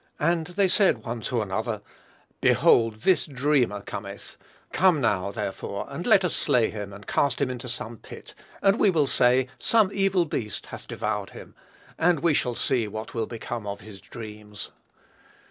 And they said one to another, Behold, this dreamer cometh; come now, therefore, and let us slay him, and cast him into some pit; and we will say, some evil beast hath devoured him; and we shall see what will become of his dreams."